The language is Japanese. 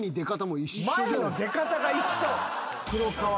前の出方が一緒？